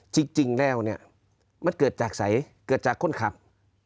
จริงแล้วเนี่ยมันเกิดจากใสเกิดจากคนขับ